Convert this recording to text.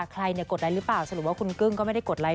ใครกดไลค์หรือเปล่าสรุปว่าคุณกึ้งก็ไม่ได้กดไลค